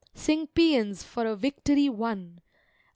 Sing Pæans for a victory won!